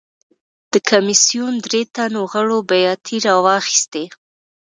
د کمېسیون درې تنو غړو بیاتۍ راواخیستې.